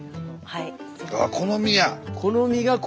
はい。